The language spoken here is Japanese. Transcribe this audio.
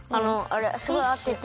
すごいあってて。